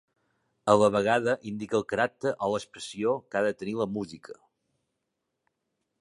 A la vegada indica el caràcter o l'expressió que ha de tenir la música.